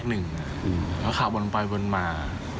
เขาก็ขับบนไปบนมา